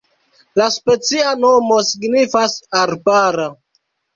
La specia nomo signifas arbara.